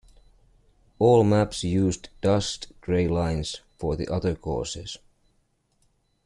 All maps use dashed gray lines for the other courses.